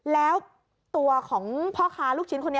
แล้วตัวของพ่อค้าลูกชิ้นคนนี้